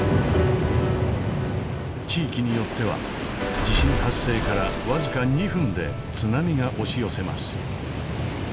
地域によっては地震発生から僅か２分で津波が押し寄せます。